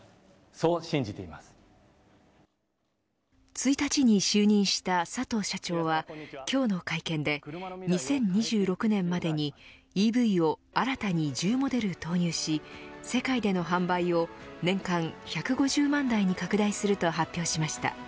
１日に就任した佐藤社長は今日の会見で２０２６年までにＥＶを新たに１０モデル投入し世界での販売を年間１５０万台に拡大すると発表しました。